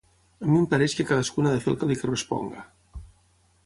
Al mi em pareix que cadascun ha de fer el que li corresponga.